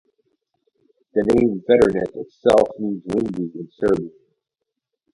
The name "Veternik" itself means "windy" in Serbian.